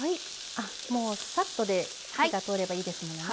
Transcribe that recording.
もうさっとで火が通ればいいですもんね。